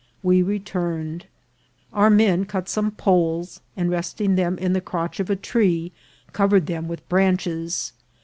We returned. Our men cut some poles, and resting them in the crotch of a tree, cov ered them with branches.